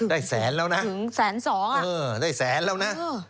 ได้แสนแล้วนะเออได้แสนแล้วนะ